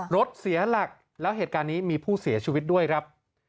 รถเสียหลักแล้วเหตุการณ์นี้มีผู้เสียชีวิตด้วยครับ